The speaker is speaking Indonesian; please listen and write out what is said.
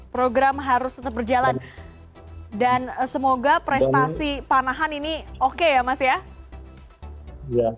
program harus tetap berjalan dan semoga prestasi panahan ini oke ya mas ya